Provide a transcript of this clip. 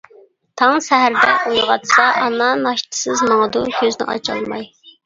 تاڭ سەھەردە ئويغاتسا ئانا، ناشتىسىز ماڭىدۇ كۆزنى ئاچالماي.